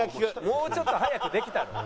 もうちょっと早くできたろ。